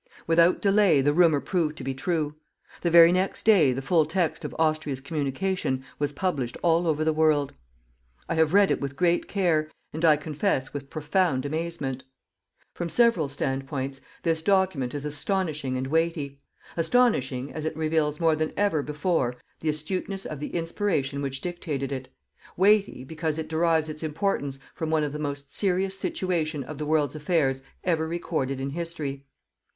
Without delay the rumour proved to be true. The very next day the full text of Austria's communication was published all over the world. I have read it with great care and, I confess, with profound amazement. From several stand points, this document is astonishing and weighty: astonishing as it reveals more than ever before the astuteness of the inspiration which dictated it; weighty because it derives its importance from one of the most serious situation of the world's affairs ever recorded in History.